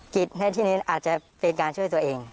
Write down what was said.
ในที่นี้อาจจะเป็นการช่วยตัวเอง